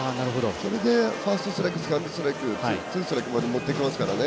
それでファーストストライクセカンドストライクツーストライクまでもっていきますからね。